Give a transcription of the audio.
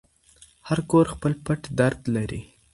هر کور خپل پټ درد لري.